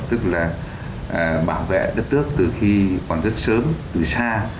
tức là bảo vệ đất nước từ khi còn rất sớm từ xa